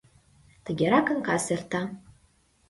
Тыгеракын кас эрта.